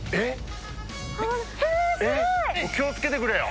気を付けてくれよ。